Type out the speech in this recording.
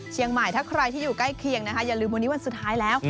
ถ้าใครที่อยู่ใกล้เคียงนะคะอย่าลืมวันนี้วันสุดท้ายแล้ว